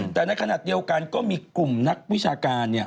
แต่ในขณะเดียวกันก็มีกลุ่มนักวิชาการเนี่ย